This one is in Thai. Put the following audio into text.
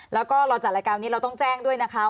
แล้วก็เราจัดรายการนี้เราต้องแจ้งด้วยนะคะ